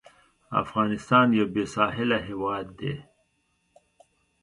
افغانستان یو بېساحله هېواد دی.